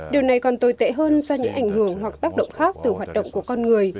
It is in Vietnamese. điều này còn tồi tệ hơn do những ảnh hưởng hoặc tác động khác từ hoạt động của con người